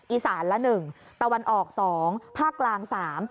อีสานละ๑ตะวันออก๒ภาคกลาง๓